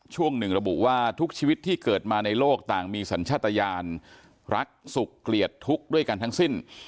ช่วงหนึ่งระบุว่าทุกชีวิตที่เกิดมาในโลกต่างมีสัญชาติยานรักสุขเกลียดทุกข์ด้วยกันทั้งสิ้น